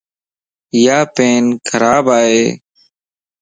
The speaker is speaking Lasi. ايا پين خراب ائي.